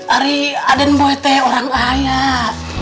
arih aden boy teh orang ayah